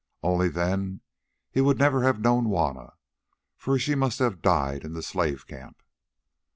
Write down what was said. Only then he would never have known Juanna, for she must have died in the slave camp.